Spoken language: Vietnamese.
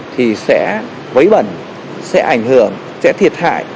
thì sẽ quấy bẩn sẽ ảnh hưởng sẽ thiệt hại